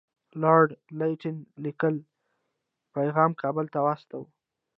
لارډ لیټن لیکلی پیغام کابل ته واستاوه.